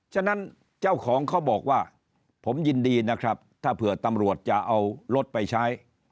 ฉะนั้นเจ้าของเขาบอกว่าผมยินดีนะครับถ้าเผื่อตำรวจจะเอารถไปใช้